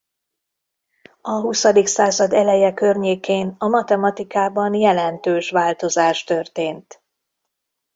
A huszadik század eleje környékén a matematikában jelentős változás történt.